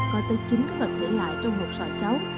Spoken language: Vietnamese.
có tới chính các vật để lại trong hộp sọ cháu